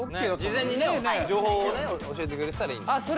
事前にね情報をね教えてくれてたらいいんだ。